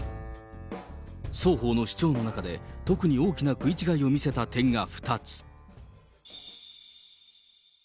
双方の主張の中で、特に大きな食い違いを見せた点が２つ。